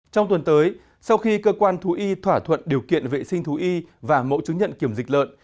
trong tuần tới sau khi cơ quan thú y thỏa thuận điều kiện vệ sinh thú y và mẫu chứng nhận kiểm dịch lợn